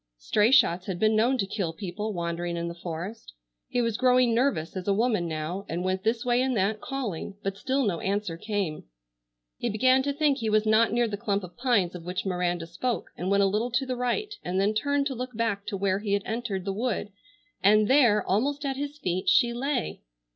Stray shots had been known to kill people wandering in the forest. He was growing nervous as a woman now, and went this way and that calling, but still no answer came. He began to think he was not near the clump of pines of which Miranda spoke, and went a little to the right and then turned to look back to where he had entered the wood, and there, almost at his feet, she lay!